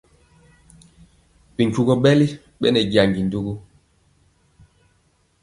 Bi ntugɔ ɓɛli ɓɛ nɛ jandi ndugu.